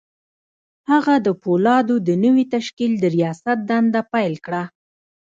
هغه د پولادو د نوي تشکيل د رياست دنده پيل کړه.